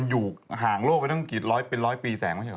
อยู่ห่างโลกไปตั้งกี่ร้อยเป็นร้อยปีแสงไม่ใช่เห